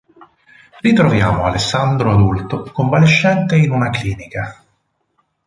Ritroviamo Alessandro adulto convalescente in una clinica.